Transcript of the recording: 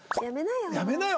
「やめなよ！」。